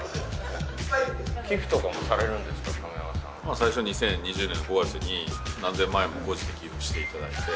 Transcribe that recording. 最初２０２０年の５月に何千万円も個人で寄付して頂いて。